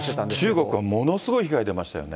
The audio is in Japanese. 中国はものすごい被害出ましたよね。